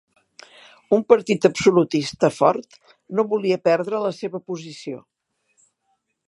Un partit absolutista fort no volia perdre la seva posició.